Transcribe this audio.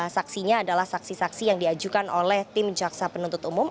saksinya adalah saksi saksi yang diajukan oleh tim jaksa penuntut umum